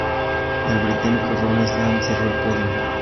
El británico Ron Haslam cerró el podio.